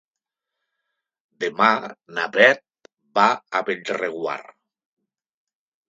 Demà na Beth va a Bellreguard.